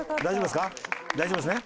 大丈夫ですね？